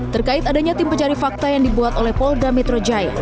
terkait adanya tim pencari fakta yang dibuat oleh polda metro jaya